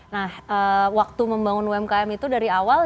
nah waktu membangun umkm itu dari awal